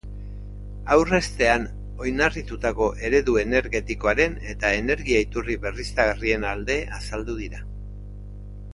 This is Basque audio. Aurreztea oinarritutako eredu energetikoaren eta energia-iturri berriztagarrien alde azaldu dira.